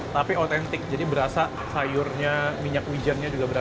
tapi otentik jadi berasa sayurnya minyak hujannya juga berasa